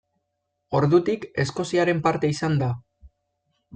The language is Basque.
Ordutik Eskoziaren parte izan da.